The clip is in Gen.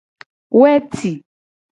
Weci.